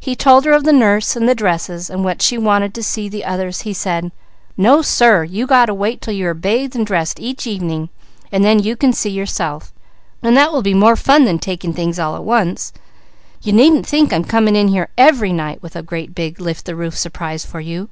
He told her of the nurse and the dresses and when she wanted to see the others he said: "No sir! You got to wait till you are bathed and dressed each evening, and then you can see yourself, and that will be more fun than taking things all at once. You needn't think I'm coming in here every night with a great big lift the roof surprise for you.